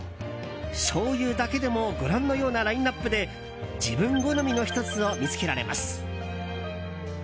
しょうゆだけでもご覧のようなラインアップで自分の好みの１つを見つけられます。